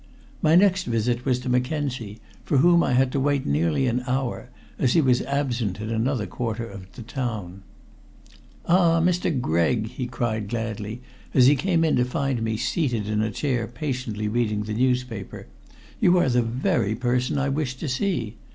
My next visit was to Mackenzie, for whom I had to wait nearly an hour, as he was absent in another quarter of the town. "Ah, Mr. Gregg!" he cried gladly, as he came in to find me seated in a chair patiently reading the newspaper. "You are the very person I wish to see.